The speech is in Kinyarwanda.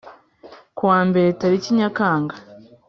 ku wa Mbere tariki Nyakanga.